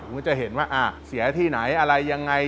ก็จะเห็นว่าเสียที่ไหนอะไรยังไง